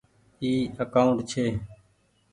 اي اڪآونٽ ڇي۔